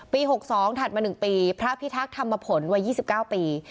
๖๒ถัดมา๑ปีพระพิทักษ์ธรรมผลวัย๒๙ปี